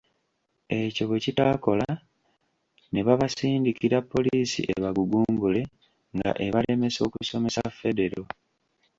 Ekyo bwekitaakola, nebabasindikira Poliisi ebagumbulule nga ebalemesa “okusomesa Federo”.